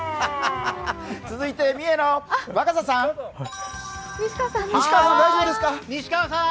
続いて三重の若狭さん。